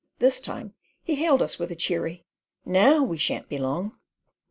This time he hailed us with a cheery: "NOW we shan't be long."